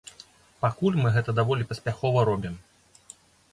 Пакуль мы гэта даволі паспяхова робім.